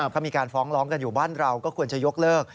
เขามีการฟ้องร้องกันอยู่บ้านเราก็ควรจะยกเลิก